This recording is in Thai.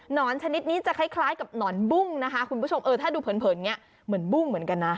อนชนิดนี้จะคล้ายกับหนอนบุ้งนะคะคุณผู้ชมเออถ้าดูเผินอย่างนี้เหมือนบุ้งเหมือนกันนะ